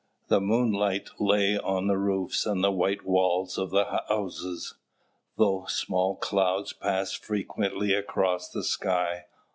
The moonlight lay on the roofs and the white walls of the houses, though small clouds passed frequently across the sky.